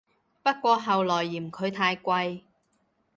不過後來嫌佢太貴